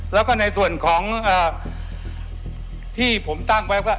แล้วก็ในส่วนของที่ผมตั้งไว้ว่า